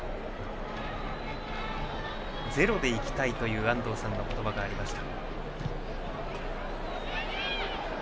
ゼロで行きたいという安藤さんの言葉がありました。